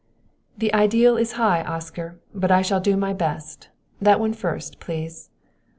"The ideal is high, Oscar, but I shall do my best. That one first, please."